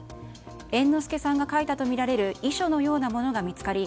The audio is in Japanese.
猿之助さんが書いたとみられる遺書のようなものが見つかり